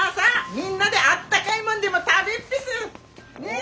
みんなで温かいもんでも食べっぺし。ね。